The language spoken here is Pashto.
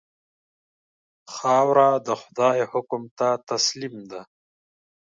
خاوره د خدای حکم ته تسلیم ده.